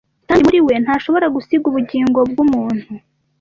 Kandi muri we ntashobora gusiga ubugingo bw’umuntu